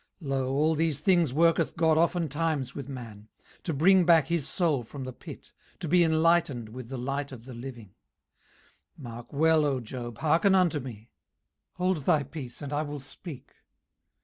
18:033:029 Lo, all these things worketh God oftentimes with man, 18:033:030 To bring back his soul from the pit, to be enlightened with the light of the living. 18:033:031 Mark well, O Job, hearken unto me: hold thy peace, and I will speak.